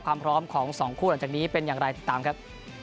ความพร้อมของ๒คู่หลังจากนี้เป็นอย่างไรติดตามครับ